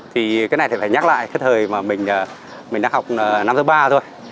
thì cái này thì phải nhắc lại cái thời mà mình đã học năm thứ ba thôi